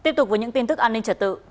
tiếp tục với những tin tức an ninh trật tự